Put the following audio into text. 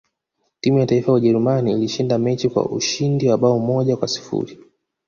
timu ya taifa ya ujerumani ilishinda mechi kwa ushindi wa bao moja kwa sifuri